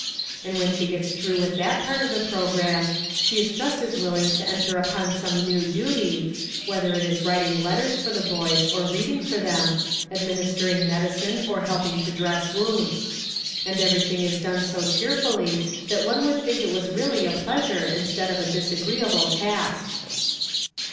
And when she gets through with that part of the programme, she is just as willing to enter upon some new duty, whether it is writing letters for the boys or reading for them, administering medicine or helping to dress wounds. And everything is done so cheerfully that one would think it was really a pleasure instead of a disagreeable task.